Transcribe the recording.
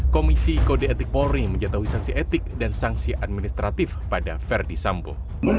komisi kode etik polri menjatuhi sanksi etik dan sanksi administratif pada verdi sambo